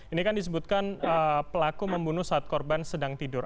ini kan disebutkan pelaku membunuh saat korban sedang tidur